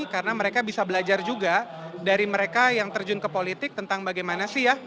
karena mereka bisa belajar juga dari mereka yang terjun ke politik tentang bagaimana sih ya